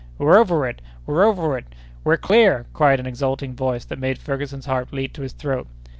"We're over it! we're over it! we're clear!" cried out an exulting voice that made Ferguson's heart leap to his throat.